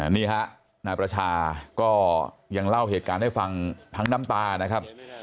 นี่ฮะนายประชาก็ยังเล่าเหตุการณ์ให้ฟังทั้งน้ำตานะครับ